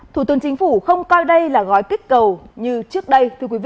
thủ tướng chính phủ không coi đây là gói kích cầu như trước đây